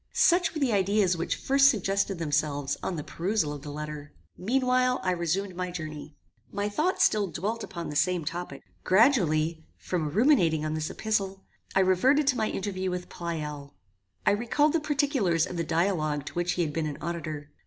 Such were the ideas which first suggested themselves on the perusal of the letter. Meanwhile, I resumed my journey. My thoughts still dwelt upon the same topic. Gradually from ruminating on this epistle, I reverted to my interview with Pleyel. I recalled the particulars of the dialogue to which he had been an auditor.